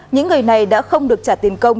những người này đã không được trả tiền công